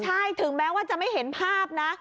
ใช่ถึงแม้ว่าจะไม่เห็นภาพนะ